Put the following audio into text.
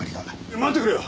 待ってくれよ！